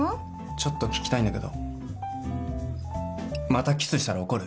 ちょっと聞きたいんだけどまたキスしたら怒る？